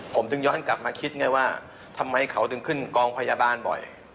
ผมถึงย้อนกลับมาคิดไงว่าทำไมเขาถึงขึ้นกองพยาบาลบ่อย